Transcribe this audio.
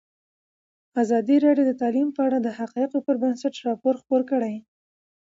ازادي راډیو د تعلیم په اړه د حقایقو پر بنسټ راپور خپور کړی.